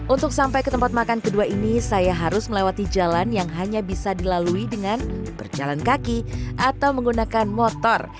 untuk sampai ke tempat makan kedua ini saya harus melewati jalan yang hanya bisa dilalui dengan berjalan kaki atau menggunakan motor